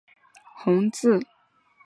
电影的部份灵感是来自小说红字。